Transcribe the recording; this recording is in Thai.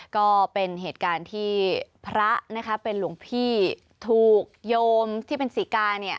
ก็เป็นเหตุการณ์ที่พระนะคะเป็นหลวงพี่ถูกโยมที่เป็นศรีกาเนี่ย